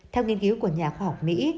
theo nghiên cứu của nhà khoa học mỹ